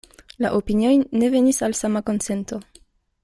La opinioj ne venis al sama konsento.